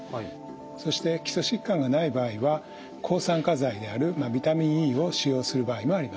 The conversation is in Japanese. そして基礎疾患がない場合は抗酸化剤であるビタミンＥを使用する場合もあります。